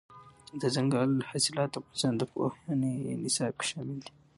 دځنګل حاصلات د افغانستان د پوهنې نصاب کې شامل دي.